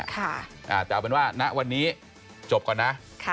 แต่เอาเป็นว่าณวันนี้จบก่อนนะ